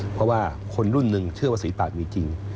เพราะว่าคนรุ่นหนึ่งเชื่อว่าฝีปากมีจริง